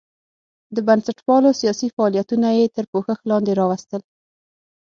د بنسټپالو سیاسي فعالیتونه یې تر پوښښ لاندې راوستل.